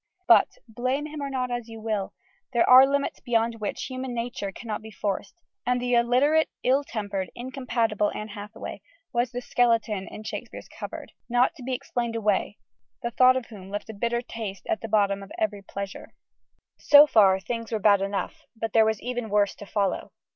But blame him or not, as you will there are limits beyond which human nature cannot be forced: and the illiterate, ill tempered, incompatible Anne Hathaway was the skeleton in Shakespeare's cupboard: not to be explained away the thought of whom left a bitter taste at the bottom of every pleasure. So far, things were bad enough; but there was even worse to follow.